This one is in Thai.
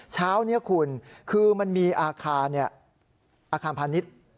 เช้านี้คุณคือมันมีอาคารอาคารพาณิชย์